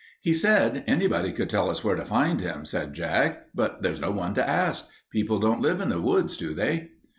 "He said anybody could tell us where to find him," said Jack, "but there's no one to ask. People don't live in the woods, do they?"